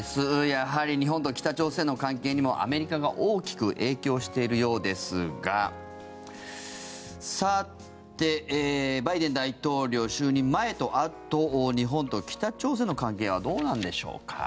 やはり日本と北朝鮮の関係にもアメリカが大きく影響しているようですがバイデン大統領就任前とあと日本と北朝鮮の関係はどうなんでしょうか。